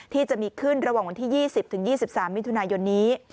ที่จะมีขึ้นระหว่างวันที่๒๐๒๓มิถุนายนนี้